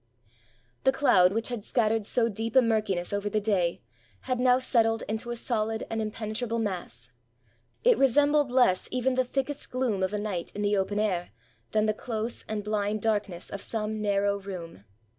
The cloud, which had scattered so deep a murkiness over the day, had now settled into a solid and impene trable mass. It resembled less even the thickest gloom of a night in the open air than the close and bhnd dark ness of some narrow room.